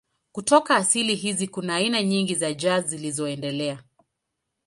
Kutoka asili hizi kuna aina nyingi za jazz zilizoendelea.